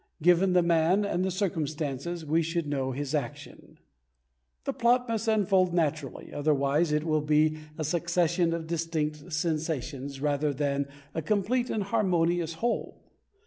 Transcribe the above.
Given the man and the circumstances, we should know his action. The plot must unfold naturally; otherwise it will be a succession of distinct sensations, rather than a complete and harmonious whole.